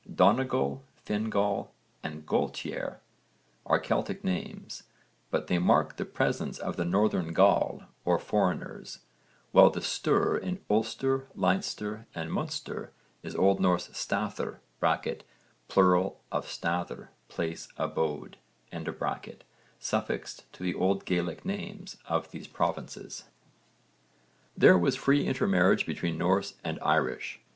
Donegal, Fingall and Gaultiere are Celtic names, but they mark the presence of the northern Gall or foreigners, while the ster in Ulster, Leinster and Munster is O.N. staðir (pl. of staðr, place, abode) suffixed to the old Gaelic names of these provinces. There was free intermarriage between Norse and Irish (_v.